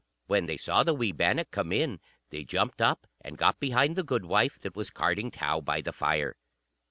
When they saw the wee bannock come in, they jumped up, and got behind the goodwife, that was carding tow by the fire.